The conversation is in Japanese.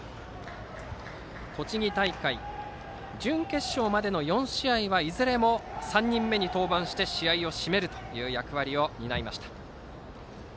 栃木大会準決勝までの４試合はいずれも３人目に登板して試合を締めるという役割を担いました。